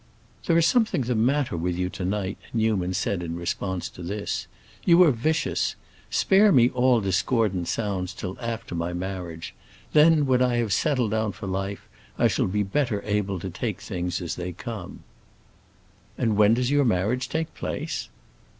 "There is something the matter with you to night," Newman said in response to this. "You are vicious. Spare me all discordant sounds until after my marriage. Then, when I have settled down for life, I shall be better able to take things as they come." "And when does your marriage take place?"